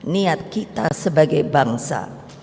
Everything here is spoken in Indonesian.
niat kita sebagai bangsa